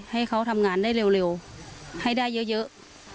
ให้เขาทำงานได้เร็วให้ได้เยอะ